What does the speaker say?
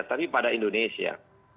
tapi pada indonesia